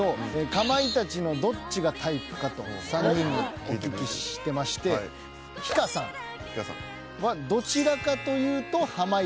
かまいたちのどっちがタイプかと３人にお聞きしてましてひかさんはどちらかというと濱家さん。